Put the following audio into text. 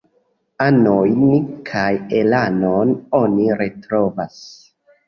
Anojn kaj elanon oni retrovas.